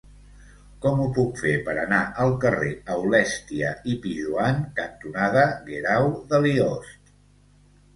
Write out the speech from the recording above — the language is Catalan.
Com ho puc fer per anar al carrer Aulèstia i Pijoan cantonada Guerau de Liost?